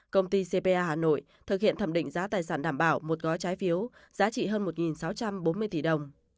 công ty cpa hà nội thực hiện thẩm định giá tài sản đảm bảo một gói trái phiếu giá trị hơn một sáu trăm bốn mươi tỷ đồng